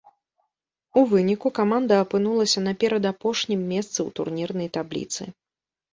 У выніку, каманда апынулася на перадапошнім месцы ў турнірнай табліцы.